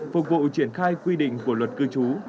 phục vụ triển khai quy định của luật cư trú